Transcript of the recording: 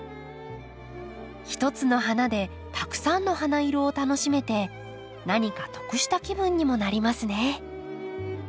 一つの花でたくさんの花色を楽しめて何か得した気分にもなりますね。